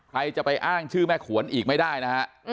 ใครจะไปอ้างชื่อแม่ขวนอีกไม่ได้นะฮะ